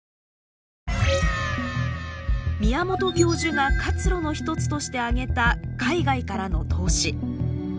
宮本教授が活路の一つとして挙げた海外からの投資。